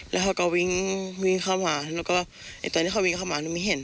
แล้วเขาก็วิ่งเข้ามาตอนนี้เขาวิ่งเข้ามานุ๊กไม่เห็น